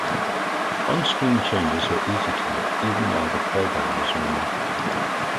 On-screen changes were easy to make, even while the program was running.